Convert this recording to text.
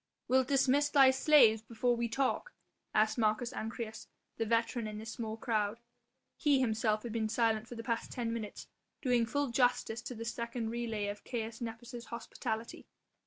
"Wilt dismiss thy slaves before we talk?" asked Marcus Ancyrus, the veteran in this small crowd. He himself had been silent for the past ten minutes, doing full justice to this second relay of Caius Nepos' hospitality.